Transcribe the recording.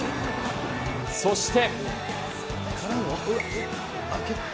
そして。